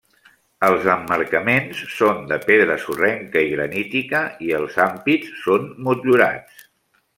Els emmarcaments són de pedra sorrenca i granítica, i els ampits són motllurats.